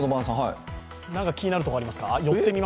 何か気になるところありますか？